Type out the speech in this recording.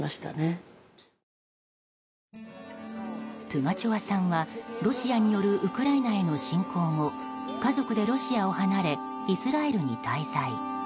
プガチョワさんはロシアによるウクライナへの侵攻後家族でロシアを離れイスラエルに滞在。